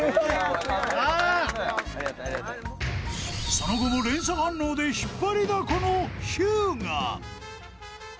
［その後も連鎖反応で引っ張りだこのひゅうが］